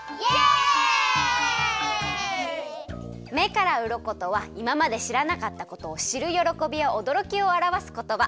目からうろことはいままでしらなかったことをしるよろこびやおどろきをあらわすことば。